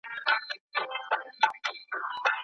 پانګه د اقتصادي خوځښت د رامنځته کولو سرچينه ده.